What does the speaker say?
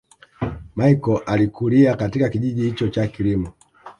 Machel alikulia katika kijiji hicho cha kilimo